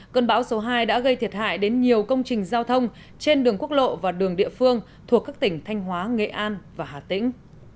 cơn bão số hai đã gây thiệt hại đến nhiều công trình giao thông trên đường quốc lộ và đường địa phương thuộc các tỉnh thanh hóa nghệ an và hà tĩnh